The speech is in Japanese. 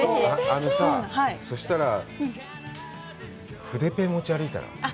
あのさ、そしたら、筆ペン、持ち歩いたら？